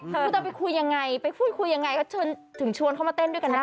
คุณจะไปคุยยังไงไปพูดคุยยังไงเขาถึงชวนเขามาเต้นด้วยกันได้